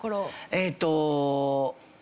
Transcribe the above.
えっと。